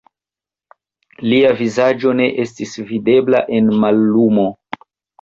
Lia vizaĝo ne estis videbla en mallumo.